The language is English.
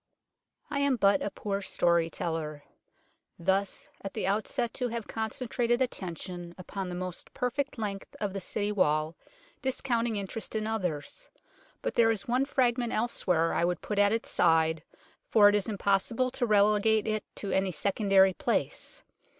I am but a poor story teller, thus at the outset to have concentrated attention upon the most perfect length of the City Wall, discounting in terest in others ; but there is one fragment else where I would put at its side, for it is impossible to relegate it to any secondary place.